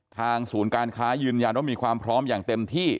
ศูนย์การค้ายืนยันว่ามีความพร้อมอย่างเต็มที่